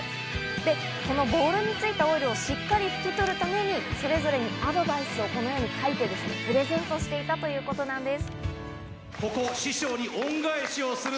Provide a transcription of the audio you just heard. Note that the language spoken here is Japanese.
で、このボールについたオイルをしっかり拭き取るために、それぞれにアドバイスをこのように書いてプレゼントしていたということなんです。